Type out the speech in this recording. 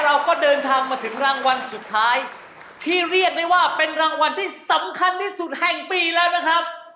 เราก็เดินทางมาถึงรางวัลสุดท้ายที่เรียกได้ว่าเป็นรางวัลที่สำคัญที่สุดแห่งปีแล้วนะครับ